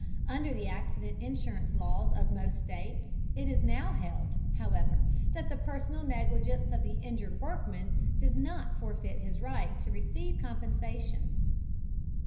Under the accident insurance laws of most states it is now held, however, that the personal negligence of the injured workman does not forfeit his right to receive compensation.